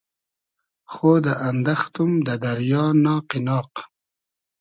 خۉدۂ اندئختوم دۂ دئریا ناقی ناق